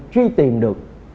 truy tìm được